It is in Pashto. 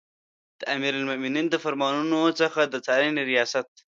د امیرالمؤمنین د فرمانونو څخه د څارنې ریاست